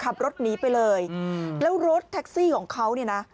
ขับรถหนีไปเลยแล้วรถแท็กซี่ของเขาเนี่ยนะ